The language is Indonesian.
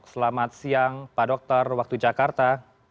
selamat siang pak dokter waktu jakarta